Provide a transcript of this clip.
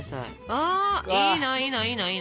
ああいいないいないいな。